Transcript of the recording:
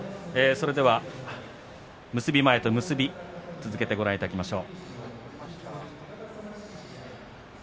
結び前と結び続けてご覧いただきましょう。